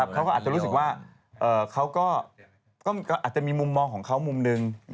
เขาก็อาจจะรู้สึกว่าเขาก็อาจจะมีมุมมองของเขามุมหนึ่ง